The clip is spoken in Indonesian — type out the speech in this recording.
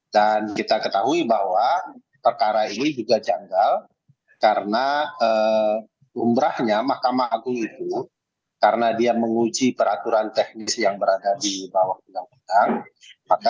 dan kita ketahui bahwa perkara ini juga janggal karena umrahnya mahkamah agung itu karena dia menguji peraturan teknis yang berada di bawah pinang pinang